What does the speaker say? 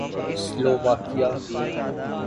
Slovakia